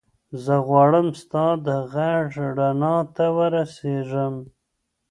زه غواړم ستا د غږ رڼا ته ورسېږم.